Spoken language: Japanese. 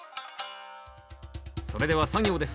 それでは作業です。